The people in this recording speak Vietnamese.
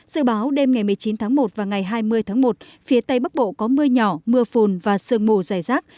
dự báo đêm ngày một mươi chín tháng một và ngày hai mươi tháng một phía tây bắc bộ có mưa nhỏ mưa phùn và sương mù dày rác